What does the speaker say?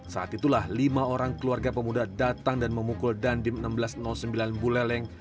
saat itulah lima orang keluarga pemuda datang dan memukul dandim seribu enam ratus sembilan buleleng